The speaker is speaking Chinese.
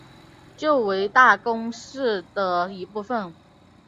旧为大宫市的一部分。